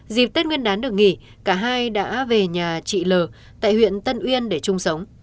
dịp tết nguyên đán được nghỉ cả hai đã về nhà chị l tại huyện tân uyên để chung sống